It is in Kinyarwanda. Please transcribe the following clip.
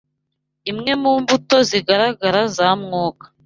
imwe mu mbuto zigaragara za Mwuka